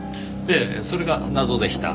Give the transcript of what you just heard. ええそれが謎でした。